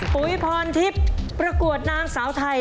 ปุ๋ยพรทิพย์ประกวดนางสาวไทย